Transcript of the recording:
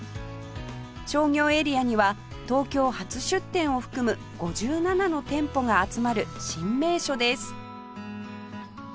商業エリアには東京初出店を含む５７の店舗が集まる新名所です